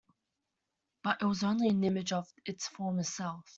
But it was only an image of its former self.